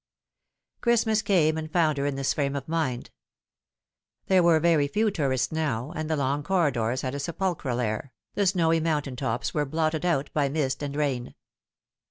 Christmas came and found her in this frame of mind. There were very few tourists now, and the long corridors had a sepul chral air, the snowy mountain tops were blotted out by mist and rain.